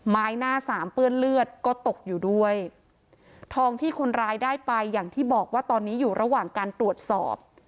ไม้หน้าสามเปื้อนเลือดก็ตกอยู่ด้วยทองที่คนร้ายได้ไปอย่างที่บอกว่าตอนนี้อยู่ระหว่างการตรวจสอบ